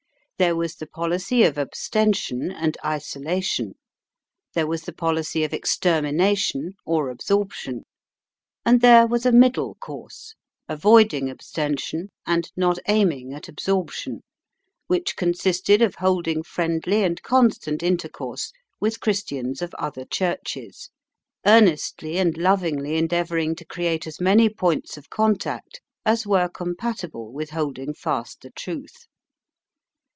There was the policy of abstention and isolation; there was the policy of extermination or absorption; and there was a middle course, avoiding abstention and not aiming at absorption, which consisted of holding friendly and constant intercourse with Christians of other Churches, earnestly and lovingly endeavouring to create as many points of contact as were compatible with holding fast the truth.